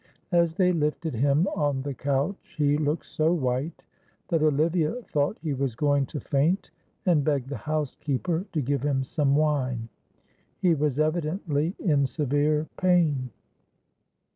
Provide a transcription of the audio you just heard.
As they lifted him on the couch he looked so white that Olivia thought he was going to faint, and begged the housekeeper to give him some wine; he was evidently in severe pain.